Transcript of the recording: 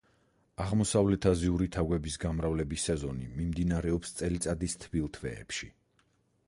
აღმოსავლეთაზიური თაგვების გამრავლების სეზონი მიმდინარეობს წელიწადის თბილ თვეებში.